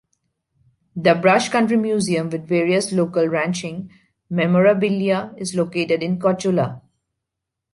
The Brush Country Museum, with various local ranching memorabilia, is located in Cotulla.